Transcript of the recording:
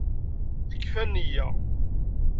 Tekfa nniya.